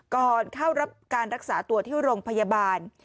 ก่อนเข้ารับการรักษาตัวที่โรงพยาบาล